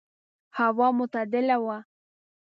هوا معتدله وه.